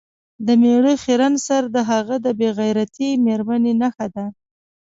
د میړه خیرن سر د هغه د بې غیرتې میرمنې نښه ده.